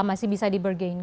masih bisa dibergein gitu